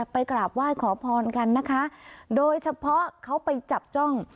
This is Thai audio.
กราบไหว้ขอพรกันนะคะโดยเฉพาะเขาไปจับจ้อง